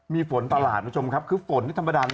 มีฝนตลาดทุกชมครับคือฝนที่ธรรมดานนี้